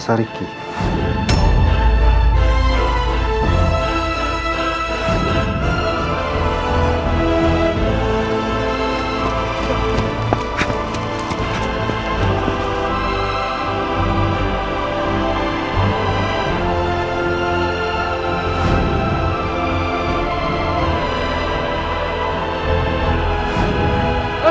bola yang ditemukan